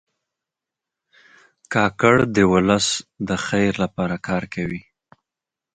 کاکړ د ولس د خیر لپاره کار کوي.